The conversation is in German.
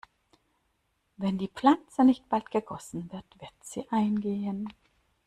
Wenn die Pflanze nicht bald gegossen wird, wird sie eingehen.